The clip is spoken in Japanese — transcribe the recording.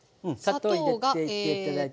砂糖を入れて頂いて。